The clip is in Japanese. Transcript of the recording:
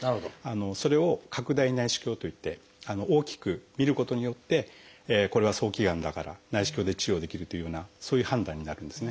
それを拡大内視鏡といって大きく見ることによってこれは早期がんだから内視鏡で治療できるというようなそういう判断になるんですね。